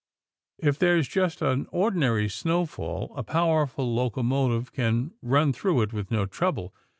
If there's just an ordinary snowfall, a powerful locomotive can run through it with no trouble.